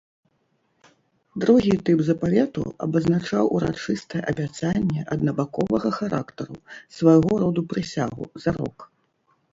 Другі тып запавету абазначаў урачыстае абяцанне аднабаковага характару, свайго роду прысягу, зарок.